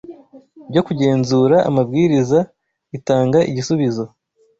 byo kugenzura amabwiriza itanga igisubizo